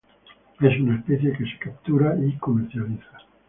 Es una especie que se captura y comercializa.